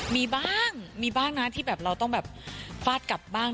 มีบ้างมีบ้างนะที่แบบเราต้องแบบฟาดกลับบ้าง